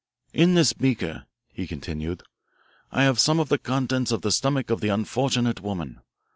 "In this beaker," he continued, "I have some of the contents of the stomach of the unfortunate woman.